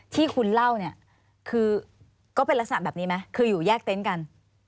ที่คุณเล่าเนี่ยคือก็เป็นลักษณะแบบนี้ไหมคืออยู่แยกเต็นต์กัน